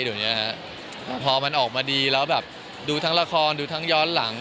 เดี๋ยวนี้ฮะพอมันออกมาดีแล้วแบบดูทั้งละครดูทั้งย้อนหลัง